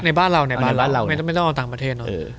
ในบ้านเราไม่ต้องเอาต่างประเทศ